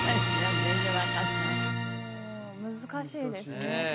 難しいですね